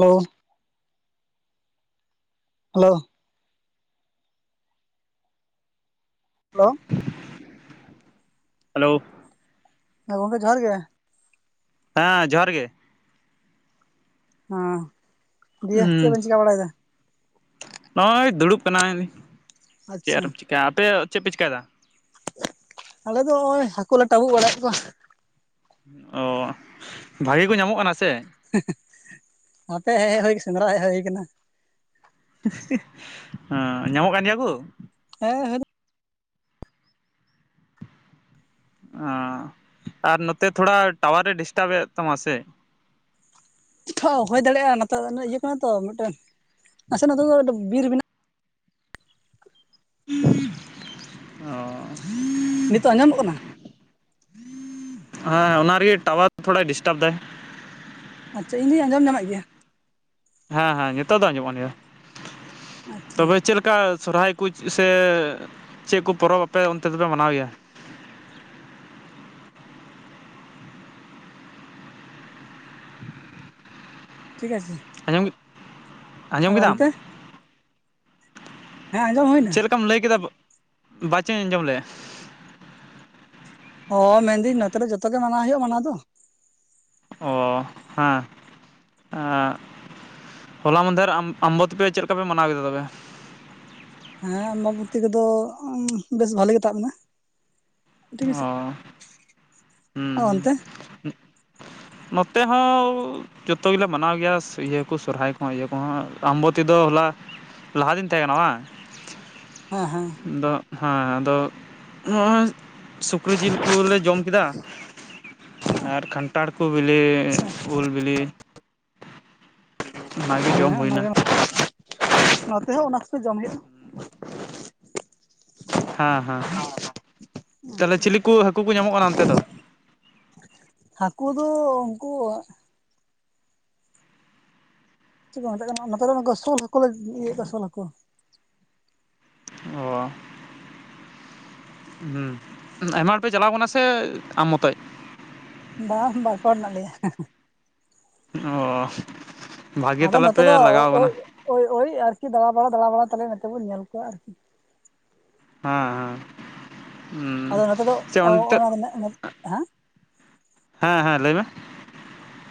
Hello. Hello. Hello. Hello. ᱦᱮᱸ ᱜᱚᱝᱠᱮ ᱡᱚᱦᱟᱨ ᱜᱮ ᱾ ᱦᱮᱸ ᱡᱚᱦᱟᱨ ᱜᱮ ᱦᱚᱸ ᱫᱤᱭᱮ ᱪᱮᱫ ᱩᱸ ᱵᱮᱱ ᱪᱤᱠᱟ ᱵᱟᱲᱟᱭᱮᱫᱟ? ᱱᱚᱜᱼᱚᱭ ᱫᱩᱲᱩᱵ ᱠᱟᱱᱟᱞᱤᱧ ᱪᱮᱫ ᱟᱪᱪᱷᱟ ᱟᱨ ᱮᱢ ᱪᱤᱠᱟᱭᱟ, ᱟᱯᱮ ᱪᱮᱫ ᱯᱮ ᱪᱤᱠᱟᱭᱮᱫᱟ? ᱟᱞᱮ ᱫᱚ ᱱᱚᱜᱼᱚᱭ ᱦᱟᱹᱠᱩ ᱞᱮ ᱴᱟᱵᱩᱜ ᱵᱟᱲᱟᱭᱮᱫ ᱠᱚᱣᱟ᱾ ᱚ ᱵᱷᱟᱜᱮ ᱠᱚ ᱧᱟᱢᱚᱜ ᱠᱟᱱᱟ ᱥᱮ᱾ ᱦᱮ ᱦᱮ ᱱᱚᱛᱮ ᱦᱮᱡ ᱦᱳᱭ ᱥᱮᱸᱫᱽᱨᱟ ᱦᱮᱡ ᱦᱳᱭ ᱠᱟᱱᱟ᱾ ᱚ ᱧᱟᱢᱚᱜ ᱠᱟᱱ ᱜᱮᱭᱟ ᱠᱚ, ᱦᱮᱸ ᱚ ᱟᱨ ᱱᱚᱛᱮ ᱛᱷᱚᱲᱟ ᱴᱟᱣᱟᱨᱮ ᱰᱤᱥᱴᱟᱵ ᱮᱫ ᱛᱟᱢᱟ ᱥᱮ᱾ ᱦᱚ ᱦᱳᱭ ᱫᱟᱲᱮᱭᱟᱜᱼᱟ ᱱᱚᱛᱮ [unintelligible] ᱤᱭᱟᱹ ᱠᱟᱱᱟ ᱛᱚ ᱢᱤᱫᱴᱮᱱ ᱱᱟᱥᱮ [unintelligible] ᱫᱚ ᱵᱤᱨ ᱢᱮᱱᱟᱜ᱾ ᱚ ᱱᱤᱛᱚᱜ ᱟᱸᱡᱚᱢᱚᱜ ᱠᱟᱱᱟ᱾ ᱦᱮᱸ ᱚᱱᱟ ᱨᱮᱜᱮ ᱴᱟᱣᱟᱨ ᱛᱷᱚᱲᱟᱭ ᱰᱤᱥᱴᱟᱵ ᱫᱟᱭ᱾ ᱟᱪᱪᱷᱟ ᱤᱧ ᱫᱚᱧ ᱟᱸᱡᱚᱢ ᱧᱟᱢᱮᱫ ᱜᱮᱭᱟ᱾ ᱦᱮᱸ ᱦᱮᱸ ᱱᱤᱛᱚᱜ ᱫᱚ ᱟᱸᱡᱚᱢᱚᱜ ᱠᱟᱱ ᱜᱮᱭᱟ ᱟᱪᱪᱷᱟ ᱛᱚᱵᱮ ᱪᱮᱫ ᱞᱮᱼᱼ ᱠᱟ ᱥᱚᱨᱚᱦᱟᱭ ᱠᱚ ᱥᱮ ᱪᱮᱫ ᱠᱚ ᱯᱚᱨᱚᱵᱽ ᱟᱯᱮ ᱚᱱᱛᱮ ᱫᱚᱯᱮ ᱢᱟᱱᱟᱣ ᱜᱮᱭᱟ? ᱴᱷᱤᱠ ᱟᱪᱷᱮ ᱟᱸᱡᱚᱢ, ᱟᱨ ᱟᱸᱡᱚᱢ ᱠᱮᱫᱟᱢ᱾ ᱚᱱᱛᱮ ᱦᱮᱸ ᱟᱸᱡᱚᱢ ᱦᱩᱭᱱᱟ᱾ ᱪᱟᱠᱟᱢ ᱞᱟᱹᱭ ᱠᱮᱫᱟ ᱵᱟᱪᱚᱧ ᱟᱸᱡᱚᱢ ᱞᱮᱫᱼᱟ? ᱚ ᱢᱮᱱᱫᱟᱹᱧ ᱱᱚᱛᱮ ᱨᱮ ᱡᱚᱛᱚ ᱜᱮ ᱢᱟᱱᱟᱣ ᱦᱳᱭᱳᱜᱼᱟ ᱢᱟᱱᱟ ᱫᱚ᱾ ᱚ ᱦᱮᱸ ᱮᱸ ᱦᱚᱞᱟ ᱢᱟᱫᱷᱮᱨ ᱟᱢ ᱟᱢᱵᱚᱛᱤ ᱯᱮ ᱪᱮᱫ ᱞᱮᱠᱟ ᱯᱮ ᱢᱟᱱᱟᱣ ᱠᱮᱫᱟ ᱛᱚᱵᱮ? ᱦᱮᱸ ᱟᱢᱵᱟᱵᱚᱛᱤ ᱠᱚᱫᱚ ᱵᱮᱥ ᱵᱷᱟᱞᱮ ᱜᱮ ᱛᱟᱵ ᱮᱱᱟ᱾ ᱴᱷᱤᱠ ᱟᱪᱷᱮ ᱚ ᱦᱩᱸ ᱦᱩᱸ ᱚᱱᱛᱮ ᱱᱚᱛᱮ ᱦᱚᱸ ᱡᱚᱛᱚ ᱜᱮᱞᱮ ᱢᱟᱱᱟᱣ ᱜᱮᱭᱟ ᱤᱭᱟᱹ ᱠᱚ ᱥᱚᱨᱚᱦᱟᱭ ᱠᱚᱦᱚᱸ ᱤᱭᱟᱹ ᱠᱚᱦᱚᱸ ᱟᱢᱵᱚᱛᱤ ᱫᱚ ᱦᱚᱞᱟ, ᱞᱟᱦᱟ ᱫᱤᱱ ᱛᱟᱦᱮᱸ ᱠᱟᱱᱟ ᱵᱟᱝ? ᱦᱮᱸ ᱦᱮᱸ ᱟᱫᱚ ᱦᱮᱸ ᱟᱫᱚ ᱱᱚᱜᱼᱚᱭ ᱥᱩᱠᱨᱤ ᱡᱤᱞ ᱠᱚᱞᱮ ᱡᱚᱢ ᱠᱮᱫᱟ᱾ ᱟᱨ ᱠᱟᱱᱴᱷᱟᱲ ᱠᱚ ᱵᱮᱞᱮ ᱩᱞ ᱵᱤᱞᱤ᱾ ᱚᱱᱟ ᱜᱮ ᱦᱮᱸ ᱚᱱᱟᱜᱮ ᱱᱚᱛᱮ ᱦᱚᱸ ᱚᱱᱟ ᱠᱚᱜᱮ ᱡᱚᱢ ᱦᱳᱭᱳᱜᱼᱟ᱾ ᱦᱮᱸ ᱦᱮᱸ ᱛᱟᱦᱚᱞᱮ ᱪᱤᱞᱤ ᱠᱚ ᱦᱟᱹᱠᱩ ᱠᱚ ᱧᱟᱢᱚᱜ ᱠᱟᱱᱟ ᱚᱱᱛᱮ ᱫᱚ? ᱦᱟᱹᱠᱩ ᱫᱚ ᱩᱱᱠᱩ ᱪᱮᱫ ᱠᱚ ᱢᱮᱛᱟᱜ ᱠᱟᱱᱟ [unintelligible] ᱥᱳᱞ ᱦᱟᱹᱠᱩ ᱞᱮ ᱤᱭᱟᱹᱭᱮᱫ ᱠᱚᱣᱟ ᱥᱳᱞ ᱦᱟᱹᱠᱩ ᱚ ᱦᱩᱸ ᱟᱭᱢᱟ ᱦᱚᱲ ᱯᱮ ᱪᱟᱞᱟᱣ ᱟᱠᱟᱱᱟ ᱥᱮ ᱟᱢ ᱢᱚᱛᱚᱡ? ᱵᱟᱝ ᱵᱟᱨ ᱯᱮ ᱦᱚᱲ ᱢᱮᱱᱟᱜ ᱞᱮᱭᱟ᱾ ᱚ ᱵᱷᱟᱜᱮ ᱟᱫᱚ ᱛᱟᱞᱮ ᱱᱚᱛᱮ ᱯᱮ ᱫᱚᱭ ᱞᱟᱜᱟᱣ ᱠᱟᱱᱟ ᱳᱭ ᱳᱭ ᱳᱭ, ᱟᱨᱠᱤ ᱫᱟᱲᱟ ᱵᱟᱲᱟ ᱫᱟᱲᱟ ᱵᱟᱲᱟ ᱛᱟᱦᱞᱮ ᱱᱚᱛᱮ ᱵᱚᱱ ᱧᱮᱞ ᱠᱚᱣᱟ ᱟᱨᱠᱤ, ᱦᱮᱸ ᱦᱮᱸ ᱩᱸ ᱟᱫᱚ ᱱᱚᱛᱮ ᱫᱚ ᱥᱮ ᱚᱱᱛᱮ ᱚᱱᱟ ᱦᱮᱸ ᱦᱮᱸ ᱦᱮᱸ ᱞᱟᱹᱭ ᱢᱮ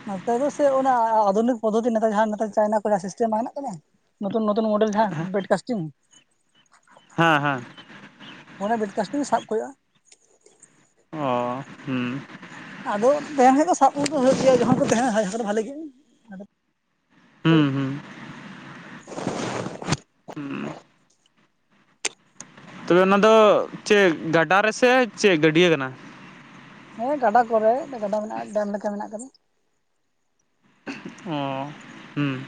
ᱱᱚᱛᱮ ᱫᱚ ᱥᱮ ᱚᱱᱟ ᱟᱫᱷᱩᱱᱤᱠ ᱯᱚᱫᱽᱷᱚᱛᱤ ᱱᱮᱛᱟᱨ ᱡᱟᱦᱟᱸᱱ ᱪᱟᱭᱱᱟ ᱠᱚ ᱥᱤᱥᱴᱮᱢ ᱢᱮᱱᱟᱜ ᱠᱟᱫᱟ᱾ ᱱᱚᱛᱩᱱ ᱱᱚᱚᱛᱩᱱ ᱢᱚᱰᱮᱞ ᱡᱟᱦᱟᱸ ᱵᱮᱰᱠᱟᱥᱴᱤᱝ ᱦᱮᱸ ᱦᱮᱸ᱾ ᱚᱱᱟ ᱵᱮᱰᱠᱟᱥᱴᱤᱧ ᱥᱟᱵ ᱠᱚ ᱦᱳᱭᱳᱜᱼᱟ᱾ ᱚ, ᱦᱩᱸ᱾ ᱟᱫᱚ ᱛᱟᱸᱦᱮᱱ ᱠᱷᱟᱡ ᱫᱚ ᱥᱟᱵ ᱦᱳᱭᱳᱜ ᱜᱮᱭᱟ ᱡᱚᱠᱷᱚᱱ ᱠᱚ ᱛᱟᱸᱦᱮ ᱫᱚ ᱵᱷᱟᱞᱮ ᱜᱮ ᱦᱩᱸ ᱦᱩᱸ᱾ [unintelligible] ᱦᱩᱸ᱾ ᱛᱚᱵᱮ ᱚᱱᱟ ᱫᱚ ᱪᱮ ᱜᱟᱰᱟ ᱨᱮᱥᱮ ᱪᱮ ᱜᱟᱹᱰᱭᱟᱹ ᱠᱟᱱᱟ? ᱦᱳᱭ ᱜᱟᱰᱟ ᱠᱚᱨᱮ ᱜᱟᱰᱟ ᱢᱮᱱᱟᱜᱼᱟ ᱰᱮᱢ ᱞᱮᱠᱟ ᱢᱮᱱᱟᱜ ᱠᱟᱫᱟ᱾ ᱚᱸ ᱦᱩᱸ᱾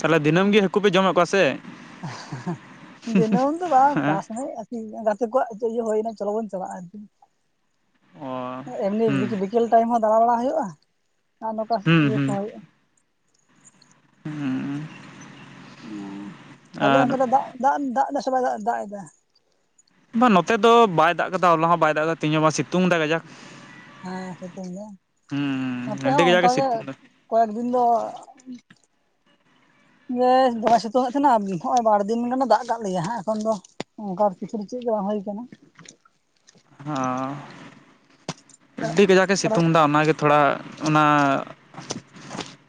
ᱛᱟᱦᱚᱞᱮ ᱫᱤᱱᱟᱢᱹ ᱜᱤ ᱦᱟᱹᱠᱩ ᱯᱮ ᱡᱚᱢᱮᱜ ᱠᱚᱣᱟ ᱥᱮ? ᱫᱤᱱᱟᱹᱢ ᱫᱚ ᱵᱟᱝ, ᱦᱮᱸ ᱚᱠᱟ ᱥᱚᱢᱚᱭ ᱜᱟᱛᱮ ᱠᱚᱣᱟᱜ ᱪᱮᱸ ᱤᱭᱟᱹ ᱦᱳᱭᱱᱟ ᱪᱚᱞᱚ ᱵᱚᱱ ᱪᱟᱞᱟᱜᱼᱟ, ᱚ ᱮᱢᱱᱤ ᱦᱩᱸ ᱵᱤᱠᱤ ᱵᱤ ᱠᱮᱞ ᱴᱟᱭᱤᱢ ᱦᱚᱸ ᱫᱟᱬᱟᱵᱟᱲᱟ ᱦᱳᱭᱳᱜᱼᱟ ᱟᱨ ᱱᱚᱝᱠᱟ ᱦᱩᱸ ᱤᱭᱟᱹ ᱠᱚᱦᱚᱸ ᱦᱳᱭᱳᱜᱼᱟ᱾ ᱦᱩᱸ᱾ ᱚ ᱛᱟᱦᱞᱮ ᱟᱨ ᱚᱱᱛᱮ ᱫᱟᱜ ᱫᱟᱜ ᱫᱟᱜ ᱫᱟᱭᱥᱮ ᱵᱟᱭ ᱫᱟᱜ ᱮᱫᱟ? ᱵᱟ ᱱᱚᱛᱮ ᱫᱚ ᱵᱟᱭ ᱫᱟᱜ ᱠᱟᱫᱟ, ᱦᱚᱞᱟ ᱦᱚᱸ ᱵᱟᱭ ᱫᱟᱜ ᱠᱟᱫᱟ ᱛᱤᱦᱤᱧ ᱦᱚᱸ ᱵᱟᱝ ᱥᱤᱛᱩᱝ ᱫᱟ ᱜᱟᱡᱟᱠ᱾ ᱦᱮᱸ ᱥᱤᱛᱩᱝ ᱜᱮ ᱦᱩᱸ ᱱᱚᱛᱮ ᱟᱹᱰᱤ ᱦᱚᱸ ᱠᱟᱡᱟᱠᱮ ᱚᱝᱠᱟ ᱜᱮ ᱥᱤᱛᱩᱝ ᱫᱟ ᱠᱚᱭᱮᱠ ᱫᱤᱱ ᱫᱚ ᱜᱮ ᱫᱚᱢᱮᱭ ᱥᱤᱛᱩᱝ ᱮᱫ ᱛᱟᱸᱦᱮᱱᱟ ᱟᱨ ᱱᱚᱜᱚᱭ ᱵᱟᱲ ᱫᱤᱱ ᱜᱟᱱᱮ ᱫᱟᱜ ᱠᱟᱜ ᱞᱮᱭᱟ, ᱦᱟᱸᱜ ᱮᱠᱷᱚᱱ ᱫᱚ ᱚᱝᱠᱟ ᱟᱨ ᱠᱤᱪᱷᱩ [unintelligible] ᱜᱮ ᱵᱟᱝ ᱦᱳᱭ ᱠᱟᱱᱟ᱾ ᱦᱚᱸ ᱟᱹᱰᱤ ᱠᱟᱡᱟᱠ ᱮ ᱛᱟᱦᱚᱞᱮ ᱥᱤᱛᱩᱝ ᱫᱟ ᱚᱱᱟᱜᱮ ᱛᱷᱚᱲᱟ ᱚᱱᱟ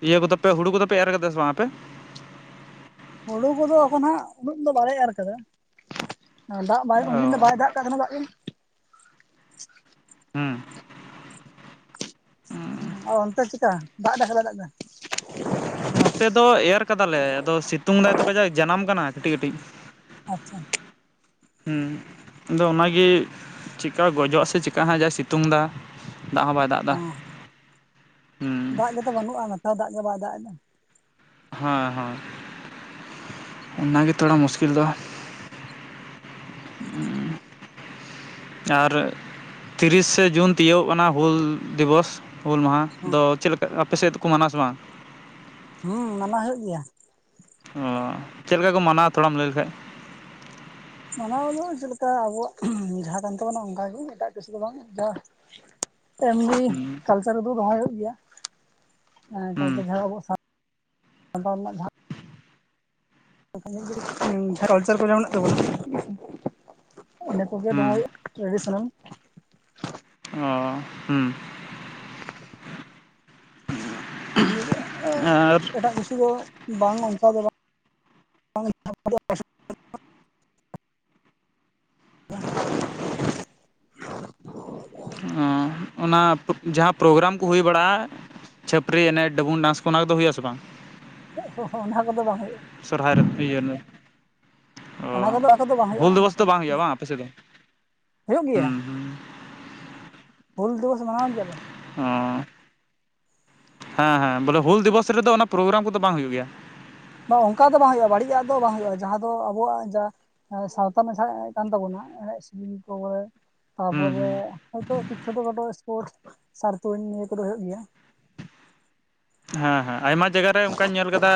ᱤᱭᱟᱹ ᱠᱚᱫᱚᱯᱮ ᱦᱩᱲᱩ ᱠᱚᱫᱚᱯᱮ ᱮᱨ ᱠᱟᱫᱟ ᱥᱮ ᱵᱟᱝ ᱟᱯᱮ? ᱦᱳᱲᱳ ᱠᱚᱫᱚ ᱮᱠᱷᱚᱱ ᱦᱟᱸᱜ ᱩᱱᱟᱹᱜ ᱫᱚ ᱵᱟᱞᱮ ᱮᱨ ᱠᱟᱫᱟ ᱫᱟᱜ ᱵᱟᱭ ᱚ ᱩᱱᱫᱤᱱ ᱫᱚ ᱵᱟᱭ ᱫᱟᱜ ᱠᱟᱜ ᱠᱷᱟᱱᱮ ᱫᱟᱜ ᱫᱤᱱ ᱦᱩᱸ᱾ ᱚ ᱚᱱᱛᱮ ᱪᱮᱠᱟ ᱫᱟᱜ ᱫᱟᱭ ᱥᱮ ᱵᱟᱭ ᱫᱟᱜ ᱫᱟ? ᱱᱚᱛᱮ ᱫᱚ ᱮᱨ ᱠᱟᱫᱟᱞᱮ ᱟᱫᱚ ᱥᱤᱛᱩᱝ ᱫᱟᱭᱛᱚ ᱠᱟᱡᱟᱠ ᱡᱟᱱᱟᱢ ᱠᱟᱱᱟ ᱠᱟᱹᱴᱤᱡ ᱠᱟᱹᱴᱤᱡ᱾ ᱟᱪᱪᱷᱟ᱾ ᱦᱩᱸ ᱟᱫᱚ ᱚᱱᱟᱜᱤ ᱪᱤᱠᱟ ᱜᱚᱡᱚᱜᱼᱟ ᱥᱮ ᱪᱤᱠᱟᱜᱼᱟ ᱦᱟᱸᱜ ᱡᱟᱭ ᱥᱤᱛᱩᱝ ᱫᱟ ᱫᱟᱜ ᱦᱚᱸ ᱵᱟᱭ ᱫᱟᱜ ᱮᱫᱟ ᱦᱚᱸ ᱦᱩᱸ ᱫᱟᱜ ᱜᱮᱛᱚ ᱵᱟᱹᱱᱩᱜᱼᱟ ᱱᱮᱛᱟᱨ ᱫᱟᱜ ᱜᱮ ᱵᱟᱭ ᱫᱟᱜ ᱫᱟ᱾ ᱦᱮᱸ ᱦᱮᱸ ᱚᱱᱟᱜᱮ ᱛᱷᱚᱲᱟ ᱢᱩᱥᱠᱤᱞ ᱫᱚ᱾ ᱟᱪᱪᱷᱟ᱾ ᱟᱨ ᱛᱤᱨᱤᱥᱮ ᱡᱩᱱ ᱛᱤᱭᱳᱜ ᱠᱟᱱᱟ ᱦᱩᱞ ᱫᱤᱵᱚᱥ ᱦᱩᱞ ᱢᱟᱦᱟ ᱦᱮᱸ ᱫᱚ ᱪᱮᱫ ᱞᱮᱠᱟ ᱟᱯᱮ ᱥᱮᱫ ᱫᱚᱠᱚ ᱢᱟᱱᱟᱣᱟ ᱥᱮ ᱵᱟᱝ? ᱦᱩᱸ ᱢᱟᱱᱟ ᱦᱳᱭᱳᱜ ᱜᱮᱭᱟ᱾ ᱚᱻ ᱪᱮᱫ ᱞᱮᱠᱟ ᱠᱚ ᱢᱟᱱᱟᱣᱟ ᱛᱷᱚᱲᱟᱢ ᱞᱟᱹᱭ ᱞᱮᱠᱷᱟᱡ ᱢᱟᱱᱟᱣ ᱫᱚ ᱪᱮᱫ ᱞᱮᱠᱟ ᱟᱵᱚᱣᱟᱜ ᱡᱟᱦᱟᱸ ᱠᱟᱱ ᱛᱟᱵᱚᱱᱟ ᱚᱱᱠᱟᱜᱤ ᱮᱴᱟᱜ ᱠᱤᱪᱷᱩ ᱫᱚ ᱵᱟᱝ, ᱡᱟ ᱮᱢᱱᱤ ᱦᱩᱸ ᱠᱟᱞᱪᱟᱨ ᱩᱫᱩᱜ ᱫᱚᱦᱚᱭ ᱦᱩᱭᱩᱜ ᱜᱮᱭᱟ᱾ ᱦᱩᱸ ᱮᱠᱟᱞᱛᱮ ᱡᱟᱦᱟᱸ ᱟᱵᱚ ᱥᱟᱛᱟᱞ ᱨᱮᱱᱟᱜ ᱡᱟᱦᱟᱸ [unintelligible] ᱡᱟᱦᱟᱸ ᱠᱟᱞᱪᱟᱨ ᱠᱚ ᱢᱮᱱᱟᱜ [unintelligible] ᱚᱸᱰᱮ ᱠᱚᱜᱮ ᱦᱩᱸ ᱫᱚᱦᱚᱭ ᱦᱳᱭᱳᱜᱼᱟ ᱴᱨᱮᱰᱤᱥᱚᱱᱟᱞ ᱚᱸ ᱦᱩᱸ᱾ ᱱᱤᱰᱟᱹᱜ ᱟᱨ ᱮᱴᱟᱜ ᱠᱤᱪᱷᱩ ᱫᱚ ᱵᱟᱝ ᱚᱱᱟ ᱫᱚ ᱵᱟᱝ [unintelligible] ᱵ [unintelligible] ᱚ ᱚᱱᱟ ᱡᱟᱦᱟ ᱯᱨᱳᱜᱨᱟᱢ ᱠᱚ ᱦᱩᱭ ᱵᱟᱲᱟᱜ-ᱟ᱾ ᱪᱷᱟᱹᱯᱨᱤ ᱮᱱᱮᱡ ᱰᱟᱹᱵᱩᱝ ᱰᱟᱱᱥ ᱠᱚ ᱚᱱᱟ ᱠᱚᱫᱚ ᱦᱳᱭᱳᱜ-ᱟ᱾ ᱥᱮ ᱵᱟᱝ ᱚᱦᱚ ᱚᱱᱟ ᱠᱚᱫᱚ ᱵᱟᱝ ᱦᱳᱭᱳᱜ-ᱟ ᱥᱚᱦᱨᱟᱭ ᱨᱮ ᱯᱤᱭᱮᱱᱮ ᱚ ᱚᱱᱟ ᱠᱚᱫᱚ ᱟᱠᱚ ᱫᱚ ᱵᱟᱝ ᱦᱩᱭᱩᱜᱼᱟ ᱦᱩᱞ ᱚᱱᱟ ᱫᱤᱵᱚᱥ ᱫᱚ ᱠᱚᱫᱚ ᱵᱟᱝ ᱦᱳᱭᱳᱜ-ᱟ᱾ ᱵᱟᱝ ᱟᱯᱮ ᱥᱮᱫ ᱫᱚ ᱦᱩᱭᱩᱜ ᱜᱮᱭᱟ ᱦᱩᱸ ᱦᱩᱸ ᱦᱩᱞ ᱫᱤᱵᱚᱥ ᱢᱟᱱᱟᱣ ᱜᱮᱭᱟᱞᱮ ᱚ ᱦᱮᱸ ᱦᱮᱸ ᱵᱚᱞᱮ ᱦᱩᱞ ᱫᱤᱵᱚᱥ ᱨᱮᱫᱚ ᱚᱱᱟ ᱯᱨᱳᱜᱨᱟᱢ ᱠᱚᱫᱚ ᱵᱟᱝ ᱦᱩᱭᱩᱜ ᱜᱮᱭᱟ᱾ ᱵᱟᱝ ᱚᱱᱠᱟ ᱫᱚ ᱵᱟᱝ ᱦᱩᱭᱩᱜ-ᱟ᱾ ᱵᱟᱹᱲᱤᱡ ᱟᱜ ᱫᱚ ᱵᱟᱝ ᱦᱩᱭᱩᱜ-ᱟ᱾ ᱡᱟᱦᱟ ᱫᱚ ᱟᱵᱚᱣᱟᱜᱟ ᱡᱟ ᱥᱟᱶᱛᱟ ᱢᱮᱥᱟᱜ ᱠᱟᱱ ᱛᱟᱵᱚᱱᱟ ᱮᱱᱮᱡ ᱥᱮᱨᱮᱧ ᱠᱚ ᱵᱚᱞᱮ ᱦᱩᱸ ᱛᱟᱯᱚᱨᱮ ᱦᱩᱸ ᱦᱚᱭᱛᱚ ᱪᱷᱳᱴᱳᱠᱷᱟᱴᱳ ᱥᱯᱳᱨᱴ ᱥᱟᱨ ᱛᱩᱧ ᱱᱤᱭᱟᱹ ᱠᱚᱫᱚ ᱦᱩᱭᱩᱜ ᱜᱮᱭᱟ ᱦᱮᱸ ᱦᱮᱸ ᱟᱭᱢᱟ ᱡᱟᱭᱜᱟ ᱨᱮ ᱚᱱᱠᱟᱧ ᱧᱮᱞ ᱟᱠᱟᱫᱟ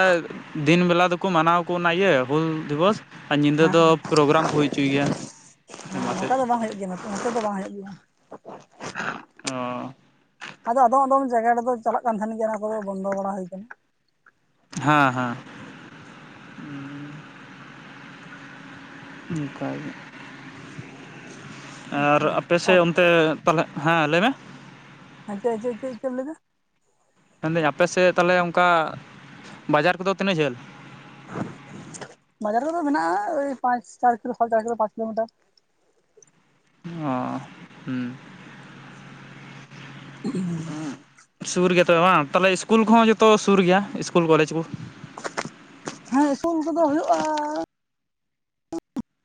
ᱫᱤᱱ ᱵᱮᱞᱟ ᱫᱚ ᱠᱚ ᱢᱟᱱᱟᱣ ᱠᱚ ᱚᱱᱟ ᱤᱭᱟᱹ ᱦᱩᱞ ᱫᱤᱵᱚᱥ ᱟᱨ ᱧᱤᱫᱟᱹ ᱫᱚ ᱯᱨᱳᱜᱨᱟᱢ ᱠᱚ ᱦᱩᱭ ᱦᱚᱪᱚᱭᱟ ᱟᱭᱢᱟ ᱥᱮᱫ ᱱᱚᱝᱠᱟ ᱫᱚ ᱵᱟᱝ ᱦᱩᱭᱩᱜ ᱜᱮᱭᱟ ᱱᱚᱛᱮ ᱫᱚ ᱵᱟᱝ ᱦᱩᱭᱩᱜ ᱜᱮᱭᱟ ᱚ ᱟᱫᱚ ᱟᱫᱚᱢ ᱟᱫᱚᱢ ᱡᱟᱭᱜᱟ ᱨᱮᱫᱚ ᱪᱟᱞᱟᱜ ᱠᱟᱱ ᱛᱟᱦᱮᱱ ᱜᱮᱭᱟ ᱚᱱᱟ ᱠᱚᱫᱚ ᱵᱚᱱᱫᱚ ᱵᱟᱲᱟ ᱦᱩᱭ ᱟᱠᱟᱱᱟ᱾ ᱦᱮᱸ ᱦᱮᱸ ᱚᱱᱠᱟᱜᱮ ᱟᱨ ᱟᱯᱮ ᱥᱮᱫ ᱚᱱᱛᱮ ᱛᱟᱦᱚᱞᱮ ᱦᱮᱸ ᱞᱟᱹᱭᱢᱮ ᱟᱪᱷᱟ ᱟᱪᱷᱟ ᱪᱮᱫ ᱪᱮᱫ ᱮᱢ ᱞᱟᱹᱭ ᱮᱫᱟ? ᱢᱮᱱᱫᱟᱹᱧ ᱟᱯᱮ ᱥᱮᱫ ᱛᱟᱦᱚᱞᱮ ᱚᱱᱠᱟ ᱵᱟᱡᱟᱨ ᱠᱚᱫᱚ ᱛᱤᱱᱟᱹᱜ ᱡᱷᱟᱹᱞ? ᱵᱟᱡᱟᱨ ᱠᱚᱫᱚ ᱢᱮᱱᱟᱜ-ᱟ᱾ ᱳᱭ ᱯᱟᱸᱪ ᱪᱟᱨ ᱠᱤᱞᱳ ᱥᱟᱲᱮ ᱪᱟᱨ ᱠᱤᱞᱳ ᱯᱟᱸᱪ ᱠᱤᱞᱳᱢᱤᱴᱟᱨ ᱚ ᱦᱮᱸ ᱦᱩ ᱥᱩᱨ ᱜᱮᱭᱟ ᱛᱚᱵᱮ ᱵᱟᱝ ᱛᱟᱦᱞᱮ ᱤᱥᱠᱩᱞ ᱠᱚᱦᱚᱸ ᱡᱚᱛᱚ ᱥᱩᱨ ᱜᱮᱭᱟ ᱤᱥᱠᱩᱞ ᱠᱚᱞᱮᱡᱽ ᱠᱚ᱾ ᱦᱮᱸ ᱤᱥᱠᱩᱞ ᱠᱚᱫᱚ ᱦᱩᱭᱩᱜ-ᱟ᱾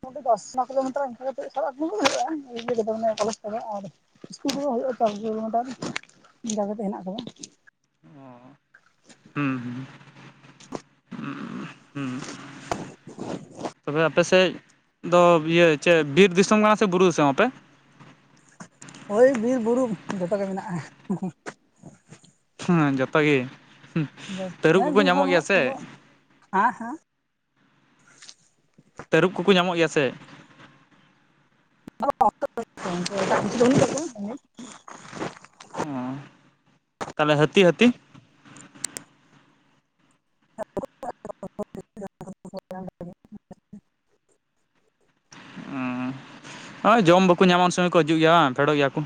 ᱢᱚᱴᱟᱢᱩᱴᱤ ᱫᱚᱥ ᱠᱤᱞᱳᱢᱤᱴᱟᱨ ᱤᱱᱠᱟᱹ ᱠᱟᱛᱮ ᱥᱟᱵ ᱦᱩᱭᱩᱜ-ᱟ᱾ ᱤᱭᱟᱹ ᱠᱚᱞᱮᱡᱽ ᱠᱚᱫᱚ ᱟᱨ ᱤᱥᱠᱩᱞ ᱠᱚ ᱫᱚ ᱦᱩᱭᱩᱜ-ᱟ ᱫᱚᱥ ᱠᱤᱞᱚ ᱢᱤᱴᱟᱨ ᱚᱱᱠᱟ ᱠᱟᱛᱮ ᱦᱮᱱᱟᱜ ᱠᱟᱫᱟ ᱦᱩᱸ ᱦᱩᱸ [unintelligible] ᱛᱚᱵᱮ ᱟᱯᱮᱥᱮᱫ ᱫᱚ ᱤᱭᱟᱹ ᱪᱮᱫ ᱵᱤᱨ ᱫᱤᱥᱚᱢ ᱠᱟᱱᱟ ᱥᱮ ᱵᱩᱨᱩ ᱫᱤᱥᱚᱢ ᱟᱯᱮ? ᱦᱳᱭ ᱵᱤᱨᱵᱩᱨᱩ ᱡᱚᱛᱚ ᱜᱮ ᱢᱮᱱᱟᱜᱟ᱾ ᱦᱮᱸ ᱡᱚᱛᱚ ᱜᱮ ᱛᱟᱹᱨᱩᱵ ᱠᱚᱠᱚ ᱧᱟᱢᱚᱜ ᱜᱮᱭᱟ ᱥᱮ? ᱟᱜ ᱦᱟ ᱛᱟᱹᱨᱩᱵ ᱠᱚᱠᱚ ᱧᱟᱢᱚᱜ ᱜᱮᱭᱟ ᱥᱮ? [unintelligible] [unintelligible] ᱛᱟᱦᱚᱞᱮ ᱦᱟᱛᱤ ᱦᱟᱛᱤ [unintelligible] ᱳᱭ ᱡᱚᱢ ᱵᱟᱠᱚ ᱧᱟᱢᱟᱠᱚ ᱥᱮ ᱩᱱ ᱥᱚᱢᱚᱭ ᱠᱚ ᱦᱤᱡᱩᱜ ᱜᱮᱭᱟ ᱵᱟᱝ ᱯᱷᱮᱰᱚᱜ ᱜᱮᱭᱟ ᱠᱚ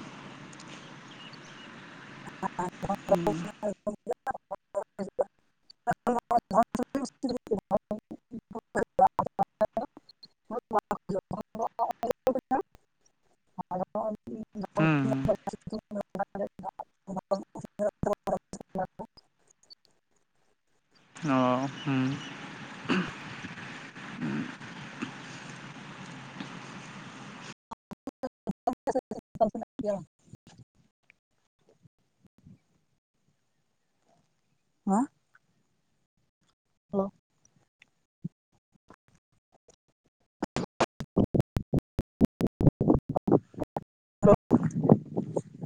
[unintelligible] [unintelligible] ᱦᱩᱸ [unintelligible] ᱦᱩᱸ ᱚ ᱦᱩᱸ [unintelligible] ᱦᱮᱸ? ᱦᱮᱞᱳ ᱾ [inaudible] ᱦᱮᱞᱳ ᱾